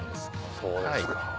そうですか。